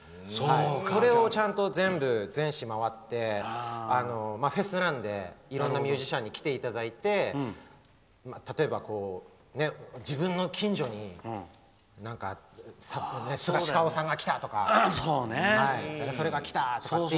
それをちゃんと全市、回ってフェスなのでいろんなミュージシャンに来ていただいて例えば、自分の近所にスガシカオさんが来た！とか誰それが来たとか。